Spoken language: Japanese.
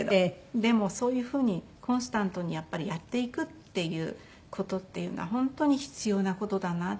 でもそういうふうにコンスタントにやっぱりやっていくっていう事っていうのは本当に必要な事だなって。